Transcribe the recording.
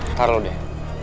sekarang lo deh